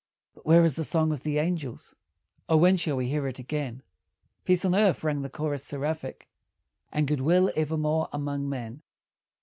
But where is the song of the angels? O when shall we hear it again? "Peace on earth," rang the chorus seraphic, "And good will evermore among men."